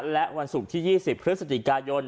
และวันศุกร์ที่๒๐พฤศจิกายน